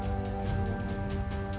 kesoakaan menyerah kita